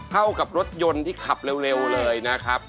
เข้ากับรถยนต์ที่ขับเร็วเลยนะครับ